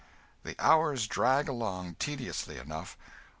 The hours drag along tediously enough.